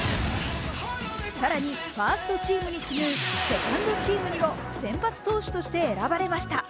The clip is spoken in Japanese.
更にファーストチームに次ぐセカンドチームにも先発投手として選ばれました。